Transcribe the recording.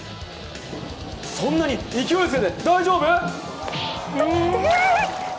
そんなに勢いをつけて大丈夫？